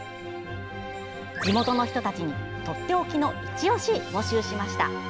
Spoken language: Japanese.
地元の人たちに、とっておきのいちオシを募集しました。